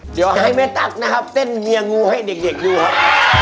เดี๋ยวให้แม่ตั๊กนะครับเต้นเฮียงูให้เด็กดูครับ